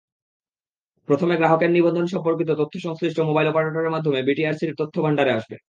প্রথমে গ্রাহকের নিবন্ধন-সম্পর্কিত তথ্য সংশ্লিষ্ট মোবাইল অপারেটরের মাধ্যমে বিটিআরসির তথ্যভান্ডারে আসবে।